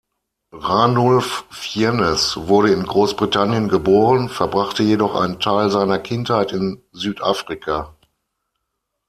Ranulph Fiennes wurde in Großbritannien geboren, verbrachte jedoch einen Teil seiner Kindheit in Südafrika.